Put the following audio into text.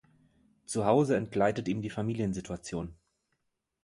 Zu Hause entgleitet ihm die Familiensituation.